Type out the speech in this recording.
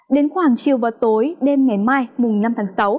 đến khoảng chiều và tối đêm ngày mai năm tháng sáu